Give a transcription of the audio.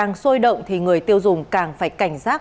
hàng hóa cuối năm càng sôi động thì người tiêu dùng càng phải cảnh giác